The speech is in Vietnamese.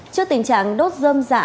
trước tình trạng đốt dơm dạ